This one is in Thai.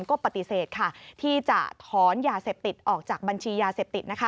ก็ปฏิเสธที่จะถอนยาเสพติดออกจากบัญชียาเสพติด